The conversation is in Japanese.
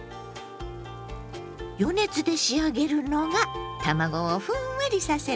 余熱で仕上げるのが卵をふんわりさせるコツなのよ。